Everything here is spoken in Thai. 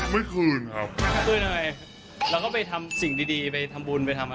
ไม่คืนครับ